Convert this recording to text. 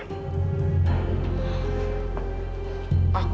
ya dia ber evidential